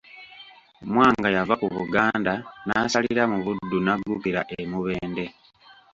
Mwanga yava ku Buganda n'asalira mu Buddu n'aggukira e Mubende.